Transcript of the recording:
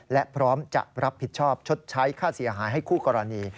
และพร้อมจะรับผิดชอบชดใช้ค่าเสียหายให้คู่กรณี